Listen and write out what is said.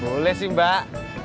boleh sih mbak